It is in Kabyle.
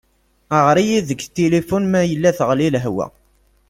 Ɣer-iyi deg tilifun ma yella teɣli lehwa.